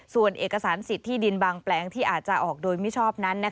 ส่วนเอกสารสิทธิ์ที่ดินบางแปลงที่อาจจะออกโดยมิชอบนั้น